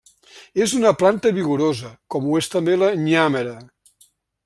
És una planta vigorosa com ho és també la nyàmera.